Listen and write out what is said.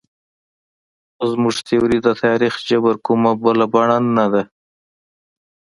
خو زموږ تیوري د تاریخ جبر کومه بله بڼه نه ده.